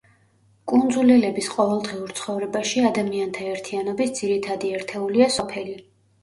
კუნძულელების ყოველდღიურ ცხოვრებაში ადამიანთა ერთიანობის ძირითადი ერთეულია სოფელი.